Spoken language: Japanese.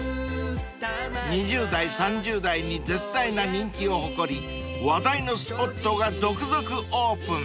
［２０代３０代に絶大な人気を誇り話題のスポットが続々オープン］